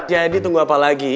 jadi tunggu apa lagi